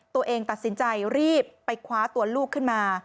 ตัวเองตัดสินใจรีบไปคว้าตัวลูกขึ้นมา